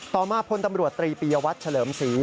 ต่อมาพลตำรวจตรีปียวัตรเฉลิมศรี